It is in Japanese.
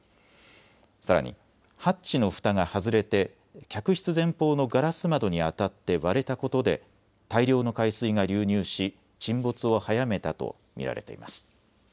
さらにハッチのふたが外れて客室前方のガラス窓に当たって割れたことで大量の海水が流入し沈没を早めたと見られています。